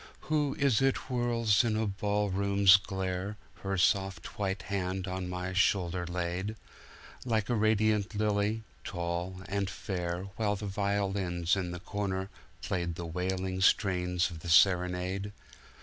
Who is it whirls in a ball room's glare, Her soft white hand on my shoulder laid, Like a radiant lily, tall and fair, While the violins in the corner playedThe wailing strains of the Serenade?